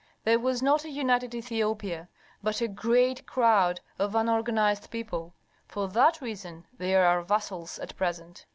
There was not a united Ethiopia, but a great crowd of unorganized people. For that reason they are our vassals at present.